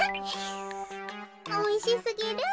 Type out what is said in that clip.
おいしすぎる。